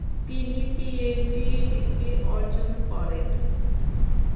তিনি PhD degree অর্জন করেন।